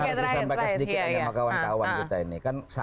harus disampaikan sedikit aja sama kawan kawan kita ini